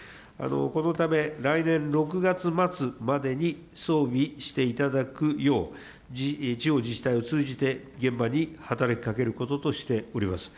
このため、来年６月末までに装備していただくよう、地方自治体を通じて現場に働きかけることとしております。